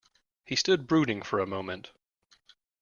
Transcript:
He stood brooding for a moment.